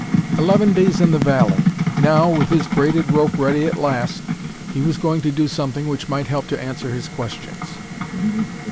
Eleven days in the valley! Now, with his braided rope ready at last, he was going to do something which might help to answer his questions.